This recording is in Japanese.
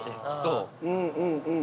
うんうんうんうん。